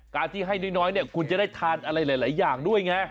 การที่ให้น้อยเนี่ยคุณจะได้ทานอะไรหลายอย่างด้วยไง